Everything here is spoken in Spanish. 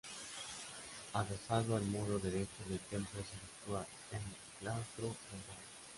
Adosado al muro derecho del templo se sitúa el claustro central.